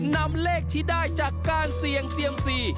นำเลขที่ได้จากการเสี่ยงเซียมซี